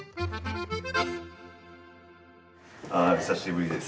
久しぶりです。